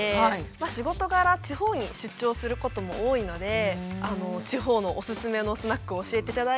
仕事柄地方に出張することも多いので地方のおすすめのスナックを教えていただいて。